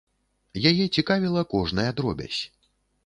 Яе цікавіла кожная дробязь.